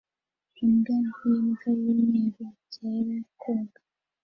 imbwa y'imbwa n'umweru byera koga